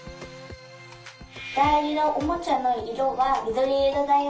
だいじなおもちゃのいろはみどりいろだよ。